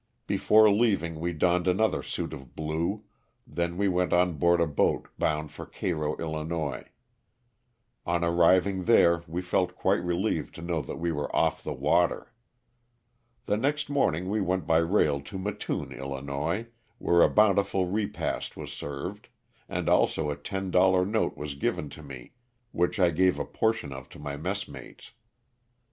Before leaving we donned another suit of blue, then we went on board a boat bound for Cairo, 111. On arriving there we felt quite relieved to know that we were off the water. The next morning we went by rail to Mattoon, 111., where a bountiful repast was served, and also a ten dollar note was given to me which I gave a portion of to my messmates.